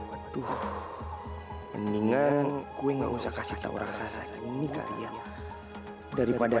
aduh mendingan gue nggak usah kasih tahu orang sasa ini kali ya daripada